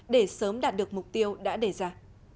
để sớm đạt được mục tiêu đã đề ra